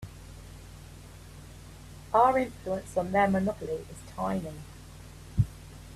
Our influence on their monopoly is tiny.